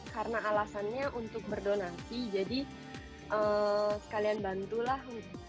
karena alasannya untuk berdonasi jadi sekalian bantulah